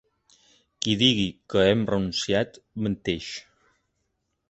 Qui digui que hem renunciat, menteix.